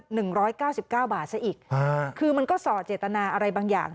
หนึ่งร้อยเก้าสิบเก้าบาทซะอีกอ่าคือมันก็สอดเจตนาอะไรบางอย่าง